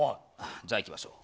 じゃあいきましょう。